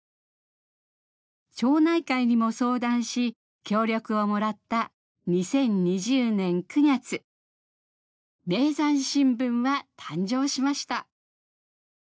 町内会にも相談し協力をもらった２０２０年９月『名山新聞』は誕生しました。